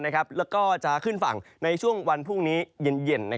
แล้วก็จะขึ้นฝั่งในช่วงวันพรุ่งนี้เย็น